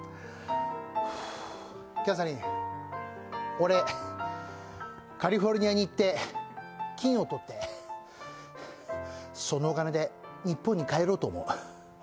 キャサリン、俺カリフォルニアに行って、金を取ってそのお金で日本に帰ろうと思う。